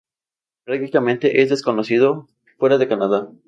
Prácticamente es desconocido fuera de Canadá.